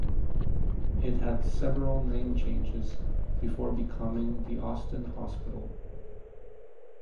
It had several name changes before becoming the Austin Hospital.